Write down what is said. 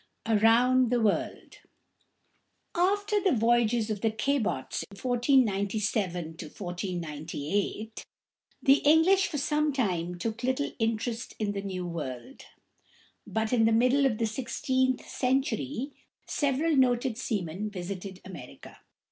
AROUND THE WORLD. After the voyages of the Cabots in 1497 1498, the English for some time took little interest in the New World. But in the middle of the sixteenth century several noted seamen visited America.